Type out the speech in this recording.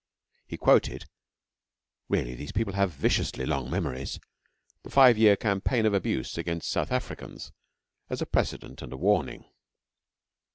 He quoted really these people have viciously long memories! the five year campaign of abuse against South Africans as a precedent and a warning.